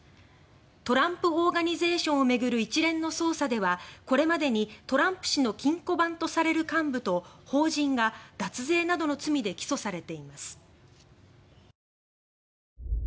トランプ・オーガニゼーションを巡る一連の捜査ではこれまでにトランプ氏の金庫番とされる幹部と法人が脱税などの罪で起訴されています。